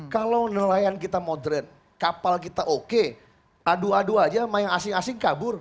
kalau nelayan kita modern kapal kita oke adu adu aja main asing asing kabur